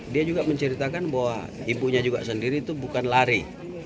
dia juga menceritakan bahwa ibunya juga sendiri itu bukan lari